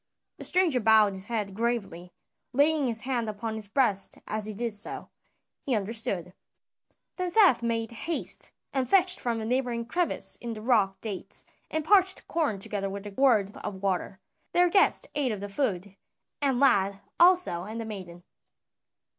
The stranger bowed his head gravely, laying his hand upon his breast as he did so. He understood. Then Seth made haste and fetched from a neighboring crevice in the rock dates and parched corn together with a gourd of water. Their guest ate of the food, the lad also and the maiden.